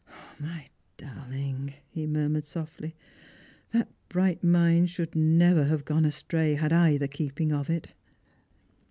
My dar« ling," he murmured £oftly, " that bright mind should never have gone astray had I had the keeping of it."